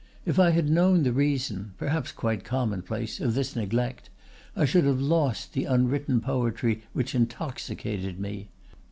If I had known the reason—perhaps quite commonplace—of this neglect, I should have lost the unwritten poetry which intoxicated me.